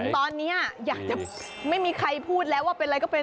ตอนนี้อยากจะไม่มีใครพูดแล้วว่าเป็นอะไรก็เป็น